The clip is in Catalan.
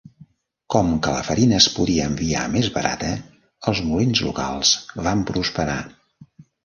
Com que la farina es podia enviar més barata, els molins locals van prosperar.